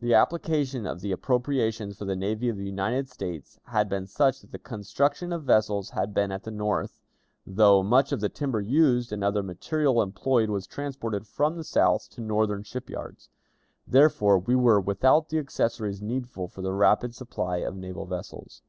The application of the appropriations for the Navy of the United States had been such that the construction of vessels had been at the North, though much of the timber used and other material employed was transported from the South to Northern ship yards. Therefore, we were without the accessories needful for the rapid supply of naval vessels.